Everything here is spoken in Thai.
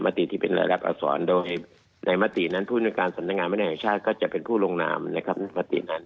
มติที่เป็นรายลักษณ์อักษรโดยในมตินั้นผู้ในการสำนักงานสำนักงานสำนักแห่งชาติก็จะเป็นผู้ลงนาม